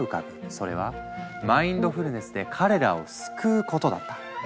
それは「マインドフルネスで彼らを救う」ことだった。